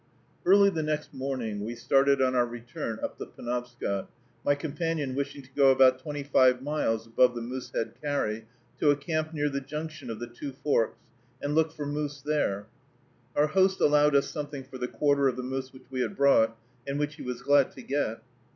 Early the next morning we started on our return up the Penobscot, my companion wishing to go about twenty five miles above the Moosehead Carry to a camp near the junction of the two forks, and look for moose there. Our host allowed us something for the quarter of the moose which we had brought, and which he was glad to get.